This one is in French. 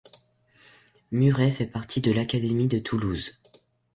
Muret fait partie de l'académie de Toulouse.